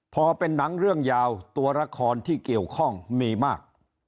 พอเป็นหนังเรื่องยาวตัวละครที่เกี่ยวข้องมีมาก